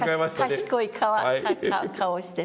賢い顔して。